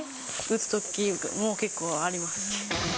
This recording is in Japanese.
打つときも結構あります。